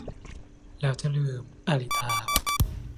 แล้วจะลืม - อาริตา